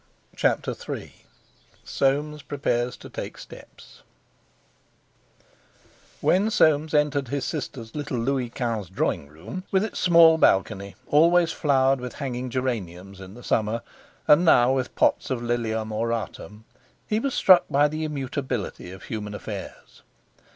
CHAPTER III SOAMES PREPARES TO TAKE STEPS When Soames entered his sister's little Louis Quinze drawing room, with its small balcony, always flowered with hanging geraniums in the summer, and now with pots of Lilium Auratum, he was struck by the immutability of human affairs.